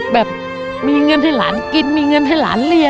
แบบมีเงินให้หลานกินมีเงินให้หลานเรียน